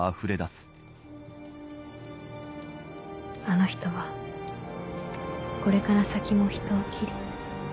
「あの人はこれから先も人を斬り。